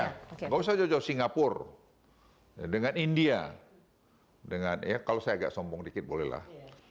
tidak usah jauh jauh singapura dengan india dengan ya kalau saya agak sombong dikit bolehlah